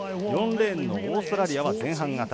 ４レーンのオーストラリアは前半型。